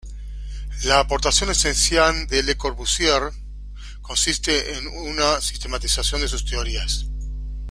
La aportación esencial de Le Corbusier consiste en una sistematización de sus teorías.